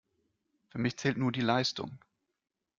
Für mich zählt nur die Leistung.